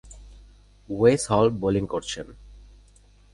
ওয়েস Hall bowling করছেন।